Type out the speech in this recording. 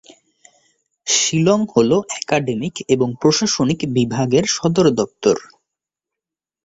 শিলং হল একাডেমিক এবং প্রশাসনিক বিভাগের সদর দপ্তর।